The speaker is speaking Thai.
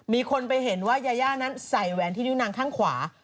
มีคนไปเห็นว่ายาย่านั้นใส่แหวนที่นิ้วนางข้างขวา